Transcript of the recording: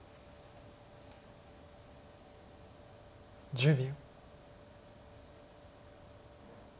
１０秒。